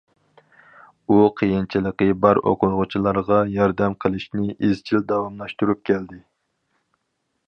ئۇ قىيىنچىلىقى بار ئوقۇغۇچىلارغا ياردەم قىلىشنى ئىزچىل داۋاملاشتۇرۇپ كەلدى.